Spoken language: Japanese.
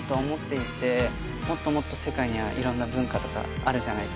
もっともっと世界にはいろんな文化とかあるじゃないですか。